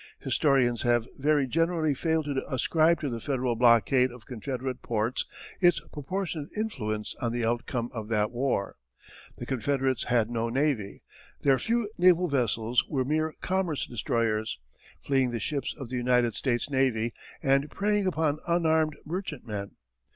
Historians have very generally failed to ascribe to the Federal blockade of Confederate ports its proportionate influence on the outcome of that war. The Confederates had no navy. Their few naval vessels were mere commerce destroyers, fleeing the ships of the United States navy and preying upon unarmed merchantmen.